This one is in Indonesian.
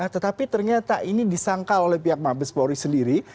tetapi ternyata ini disangkal oleh pihak mabes polri sendiri